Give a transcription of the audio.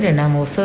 để làm hồ sơ